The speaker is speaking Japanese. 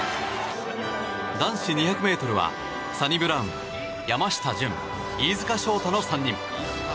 男子２００ｍはサニブラウン山下潤、飯塚翔太の３人。